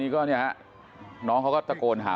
จริงเลยอะ